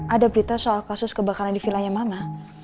ada berita soal kasus kebakaran di vilanya mama